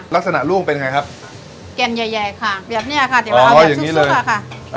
ลักษณะรุ่งเป็นไงครับเก่นใหญ่ค่ะแบบเนี่ยค่ะเดี๋ยวเอาแบบซุกค่ะ